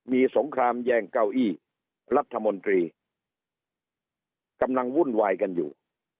มีสงครามแย่งเก้าอี้รัฐมนตรีกำลังวุ่นวายกันอยู่